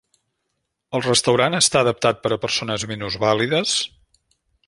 El restaurant està adaptat per a persones minusvàlides?